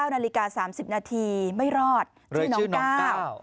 นาฬิกา๓๐นาทีไม่รอดชื่อน้องก้าว